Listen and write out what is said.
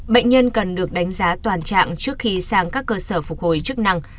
bệnh nhân cần được đánh giá toàn trạng trước khi sang các cơ sở phục hồi chức năng